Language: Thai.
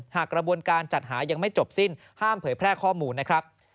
กระบวนการจัดหายังไม่จบสิ้นห้ามเผยแพร่ข้อมูลนะครับ